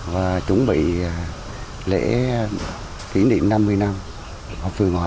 và chuẩn bị lễ kỷ niệm năm mươi năm phường hòa hải đóng nhận